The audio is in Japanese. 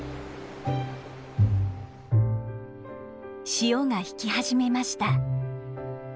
潮が引き始めました。